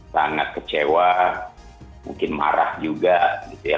sangat kecewa mungkin marah juga gitu ya